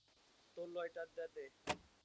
তোর লাইটার টা দে!